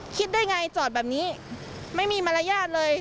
คิดได้ไงจอดแบบนี้ไม่มีมารยาทเลย